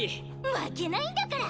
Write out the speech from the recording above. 負けないんだから！